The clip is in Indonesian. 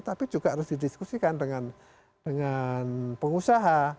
tapi juga harus didiskusikan dengan pengusaha